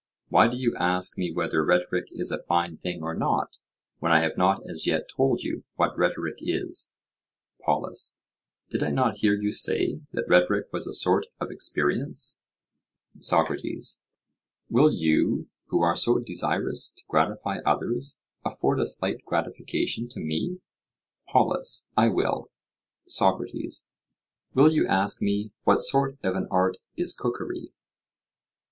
Why do you ask me whether rhetoric is a fine thing or not, when I have not as yet told you what rhetoric is? POLUS: Did I not hear you say that rhetoric was a sort of experience? SOCRATES: Will you, who are so desirous to gratify others, afford a slight gratification to me? POLUS: I will. SOCRATES: Will you ask me, what sort of an art is cookery?